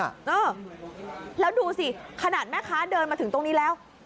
เออแล้วดูสิขนาดแม่ค้าเดินมาถึงตรงนี้แล้ว